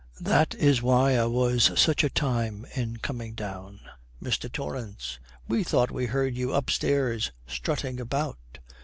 That is why I was such a time in coming down.' MR. TORRANCE. 'We thought we heard you upstairs strutting about.'